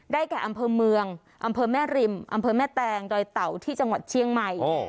แก่อำเภอเมืองอำเภอแม่ริมอำเภอแม่แตงดอยเต่าที่จังหวัดเชียงใหม่